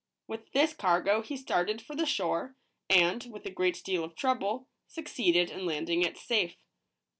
With this cargo he started for the shore, and, with a great deal of trouble, succeeded in landing it safe.